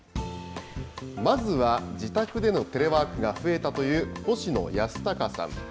まずは自宅でのテレワークが増えたという星野泰孝さん。